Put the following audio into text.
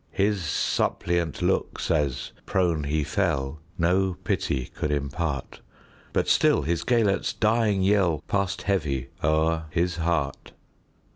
His suppliant looks, as prone he fell, No pity could impart; But still his Gêlert's dying yellPassed heavy o'er his heart.